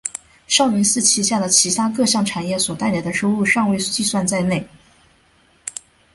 少林寺旗下的其它各项产业所带来的收入尚未计算在内。